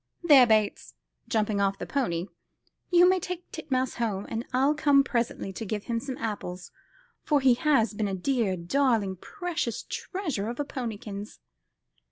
There, Bates," jumping off the pony, "you may take Titmouse home, and I'll come presently and give him some apples, for he has been a dear, darling, precious treasure of a ponykins."